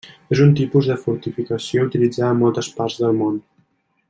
És un tipus de fortificació utilitzada en moltes parts del món.